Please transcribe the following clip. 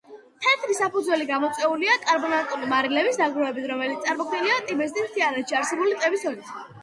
თეთრი საფუძველი გამოწვეულია კარბონატული მარილების დაგროვებით, რომელიც წარმოქმნილია ტიბესტის მთიანეთში არსებული ტბების სოდით.